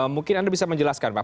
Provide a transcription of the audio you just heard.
mungkin anda bisa menjelaskan pak